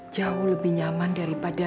jauh lebih nyaman daripada